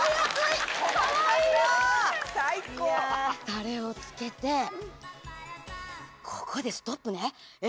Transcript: たれをつけて、ここでストップね。